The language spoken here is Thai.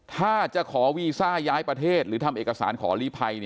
ถ้าจะขอวีซ่าย้ายประเทศหรือทำเอกสารขอลีภัย